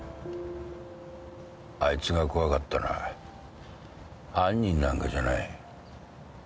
あいつが怖かったのは犯人なんかじゃない。